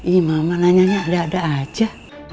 imama nanyanya ada ada aja